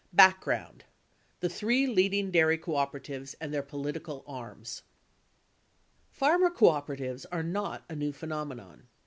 BACKGROUND— THE THREE LEADING DAIRY CO OPERATIVES AND THEIR POLITICAL ARMS Farmer cooperatives are not a new phenomenon.